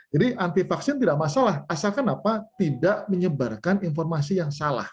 jadi anti vaksin tidak masalah asalkan apa tidak menyebarkan informasi yang salah